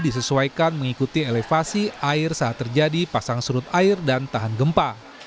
disesuaikan mengikuti elevasi air saat terjadi pasang surut air dan tahan gempa